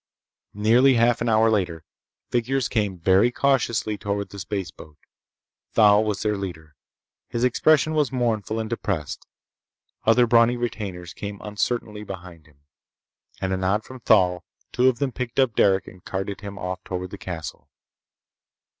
Nearly half an hour later, figures came very cautiously toward the spaceboat. Thal was their leader. His expression was mournful and depressed. Other brawny retainers came uncertainly behind him. At a nod from Thal, two of them picked up Derec and carted him off toward the castle.